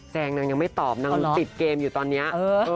แซงนางยังไม่ตอบนางติดเกมอยู่ตอนนี้